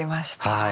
はい。